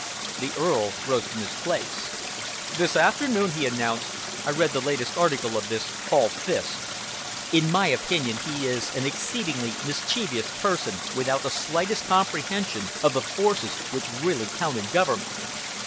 The Earl rose from his place. "This afternoon," he announced, "I read the latest article of this Paul Fiske. In my opinion he is an exceedingly mischievous person, without the slightest comprehension of the forces which really count in government."